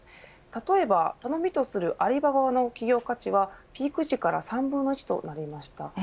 例えば頼みとするアリババの企業価値はピーク時から３分の１となりました。